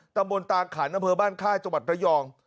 ตำบลตาขันอำเภอบ้านค่ายจังหวัดระยอง